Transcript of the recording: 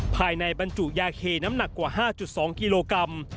ภายในบรรจุยาเคน้ำหนักกว่า๕๒กิโลกรัม